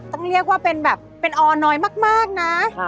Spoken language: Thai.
ต้องเรียกว่าเป็นแบบเป็นออน้อยมากนะ